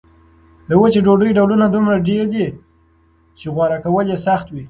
د وچې ډوډۍ ډولونه دومره ډېر دي چې غوره کول یې سخت وي.